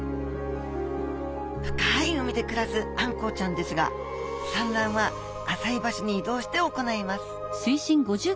深い海で暮らすあんこうちゃんですが産卵は浅い場所に移動して行います。